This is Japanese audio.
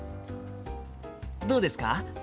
どうですか？